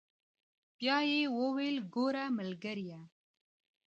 بيا يې وويل ګوره ملګريه.